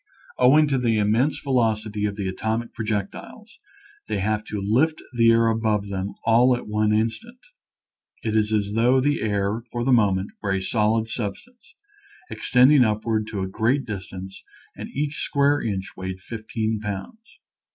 Owing to the immense velocity of the atomic projectiles, they have to lift the air above all at one instant. It is as though the air for the moment were a solid substance, ex tending upward to a great distance, and each square inch weighed 15 pounds.